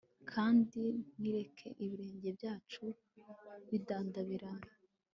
kandi ntireke ibirenge byacu bidandabirana